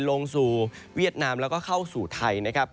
ลงสู่เวียดนามแล้วก็เข้าสู่ไทย